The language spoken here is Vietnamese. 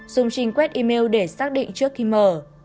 dùng trinh quét email để xác định trước khi mở